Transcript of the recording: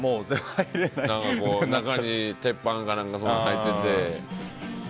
中に鉄板なんか入れてて。